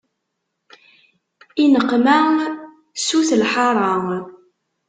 I neqma sut lḥara.